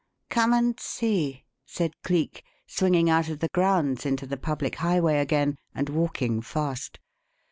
"Come and see!" said Cleek, swinging out of the grounds into the public highway again, and walking fast.